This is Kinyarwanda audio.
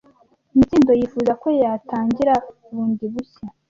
Mitsindo yifuza ko yatangira bundi bushya.